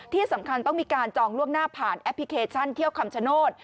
ที่สำคัญต้องมีการจองล่วงหน้าผ่านแอปพลิเคชันเที่ยวคำชโนธ